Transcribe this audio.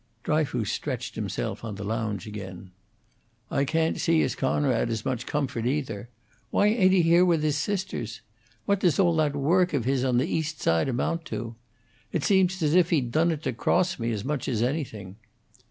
Dryfoos stretched himself on the lounge again. "I can't see as Coonrod is much comfort, either. Why ain't he here with his sisters? What does all that work of his on the East Side amount to? It seems as if he done it to cross me, as much as anything."